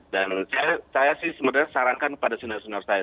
dan saya sih sebenarnya sarankan kepada senior senior saya